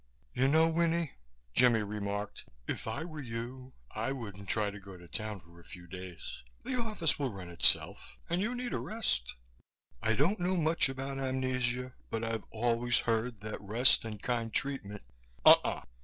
"You know, Winnie," Jimmie remarked, "if I were you I wouldn't try to go to town for a few days. The office will run itself and you need a rest. I don't know much about amnesia but I've always heard that rest and kind treatment " "Uh uh!"